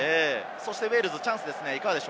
ウェールズ、チャンスです。